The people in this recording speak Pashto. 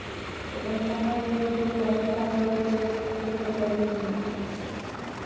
که انسانانو یو بل ته انصاف ورکړي، کرکه کمېږي.